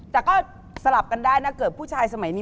แต่ก็สลับกันได้นะเกิดผู้ชายสมัยนี้